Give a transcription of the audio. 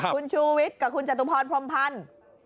คุณชูวิทย์กับคุณจตุพรพรมพันธ์